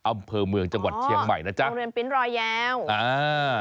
อำเภอเมืองจังหวัดเชียงใหม่นะจ๊ะโรงเรียนปริ้นต์รอยแย้วอ่า